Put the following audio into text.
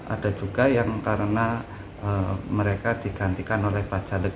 ada juga yang karena mereka digantikan oleh bacalek